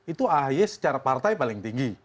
itu ahy secara partai paling tinggi